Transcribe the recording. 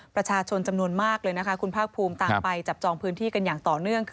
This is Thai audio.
ประชาชนจำนวนมากเลยนะคะคุณภาคภูมิต่างไปจับจองพื้นที่กันอย่างต่อเนื่อง